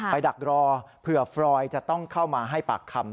ดักรอเผื่อฟรอยจะต้องเข้ามาให้ปากคำ